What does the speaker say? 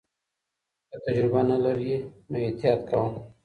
که تجربه نه لرې نو احتیاط کوه.